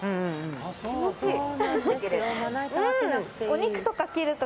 気持ちいい。